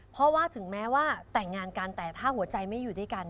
เพราะว่าถึงแม้ว่าแต่งงานกันแต่ถ้าหัวใจไม่อยู่ด้วยกัน